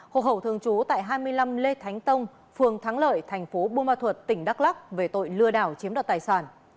hộ khẩu thường trú tại hai mươi năm lê thánh tông phường thắng lợi thành phố bùa ma thuật tỉnh đắk lắc về tội lừa đảo chiếm đoạt tài sản